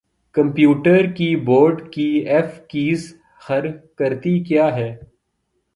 computer keyboard کی F keys خر کرتی کیا ہیں